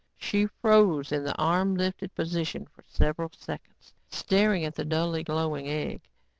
She froze in the arm lifted position for several seconds, staring at the dully glowing egg.